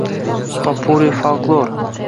Popuri folklor